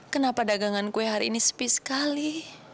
kenapa dagangan kue hari ini sepi sekali